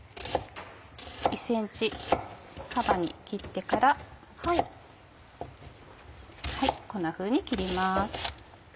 １ｃｍ幅に切ってからこんなふうに切ります。